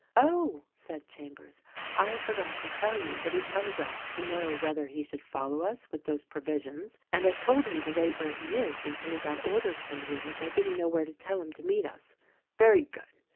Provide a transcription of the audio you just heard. "Oh," said Chambers, "I forgot to tell you that he tele graphed to know whether he should follow us with those provisions ; and I told him to wait where he is until he got orders from you, as I didn't know where to tell him to meet us." "Very good